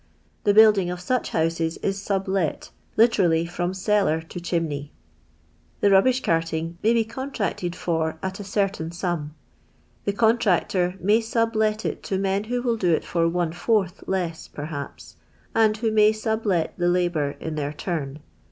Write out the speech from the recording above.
The building of such houses is sublet, literally from cellar to chimney. The rubbish carting may be contracted fur at a cer tain sum. The contractor may sublet it to ra Mi who will do it for one fourth leu perhaps, and who may sublet the labour in their tarn.